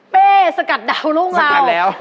เป๊สกัดดาวน์ลุงเราสกัดแล้ว